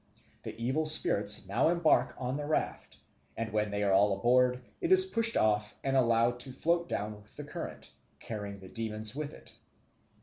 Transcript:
The evil spirits now embark on the raft, and when they are all aboard, it is pushed off and allowed to float down with the current, carrying the demons with it.